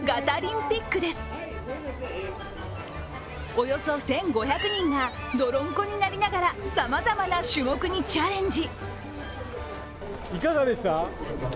およそ１５００人が泥んこになりながらさまざまな種目にチャレンジ。